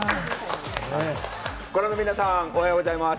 ご覧の皆さん、おはようございます。